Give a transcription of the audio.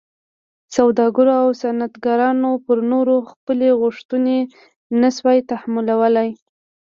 سوداګرو او صنعتکارانو پر نورو خپلې غوښتنې نه شوای تحمیلولی.